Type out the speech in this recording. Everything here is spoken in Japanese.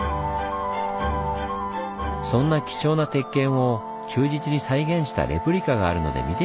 そんな貴重な鉄剣を忠実に再現したレプリカがあるので見てみましょう！